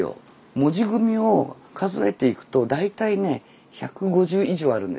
「文字組み」を数えていくと大体ね１５０以上あるんです。